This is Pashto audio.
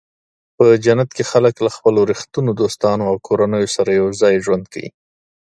په جنت کې خلک له خپلو رښتینو دوستانو او کورنیو سره یوځای ژوند کوي.